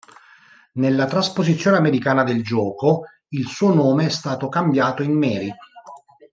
Nella trasposizione americana del gioco il suo nome è stato cambiato in "Mary".